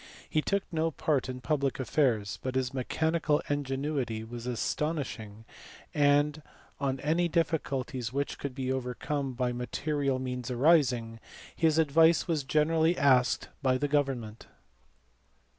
He took no part in public affairs, but his mechanical ingenuity was astonishing, and, on any diffi culties which could be overcome by material means arising, his advice was generally asked by the government.